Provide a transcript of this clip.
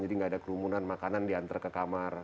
jadi nggak ada kerumunan makanan diantar ke kamar